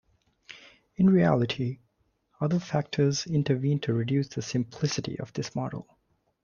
In reality, other factors intervene to reduce the simplicity of this model.